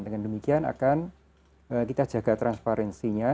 dengan demikian akan kita jaga transparansinya